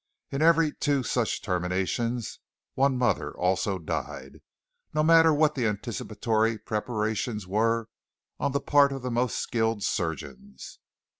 In every two such terminations one mother also died, no matter what the anticipatory preparations were on the part of the most skilled surgeons.